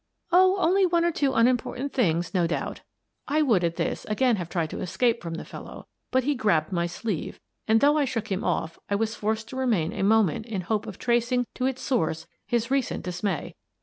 "Oh, only one or two unimportant things, no doubt" I would, at this, again have tried to escape from the fellow, but he grabbed my sleeve, and, though I shook him off, I was forced to remain a moment in the hope of tracing to its source his recent dis may.